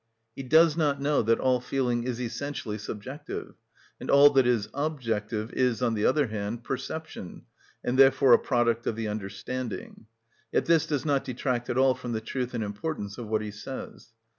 He does not know that all feeling is essentially subjective, and all that is objective is, on the other hand, perception, and therefore a product of the understanding. Yet this does not detract at all from the truth and importance of what he says.